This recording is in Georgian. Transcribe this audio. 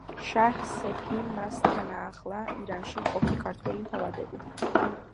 შაჰ-სეფიმ მას თან აახლა ირანში მყოფი ქართველი თავადები.